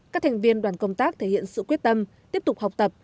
các thành viên đoàn công tác thể hiện sự quyết tâm tiếp tục học tập